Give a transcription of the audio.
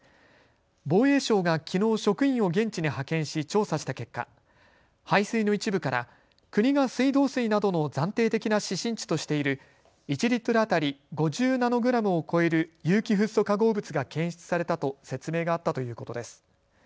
防衛省がきのう職員を現地に派遣し調査した結果、排水の一部から国が水道水などの暫定的な指針値としている１リットル当たり５０ナノグラムを超える有機フッ素化合物が検出されたと説明があったということです。